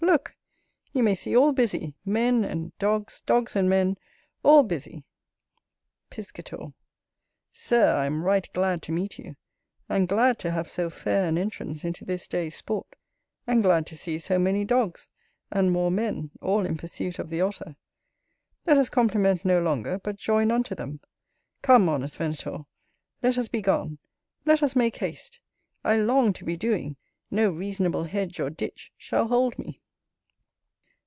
look! you may see all busy; men and dogs; dogs and men; all busy. Piscator. Sir, I am right glad to meet you, and glad to have so fair an entrance into this day's sport, and glad to see so many dogs, and more men, all in pursuit of the Otter. Let us compliment no longer, but join unto them. Come, honest Venator, let us be gone, let us make haste; I long to be doing; no reasonable hedge or ditch shall hold me.